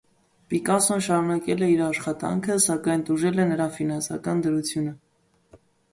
Պիկասոն շարունակել է իր աշխատանքը, սակայն տուժել է նրա ֆինանսական դրությունը։